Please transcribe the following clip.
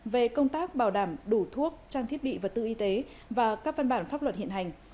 về công tác bảo đảm đủ thuốc trang thiết bị vật tư y tế và các văn bản pháp luật hiện hành